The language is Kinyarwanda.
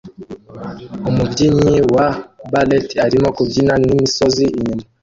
Umubyinnyi wa ballet arimo kubyina n'imisozi inyuma